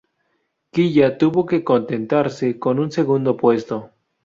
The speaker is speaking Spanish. Kiya tuvo que contentarse con un segundo puesto.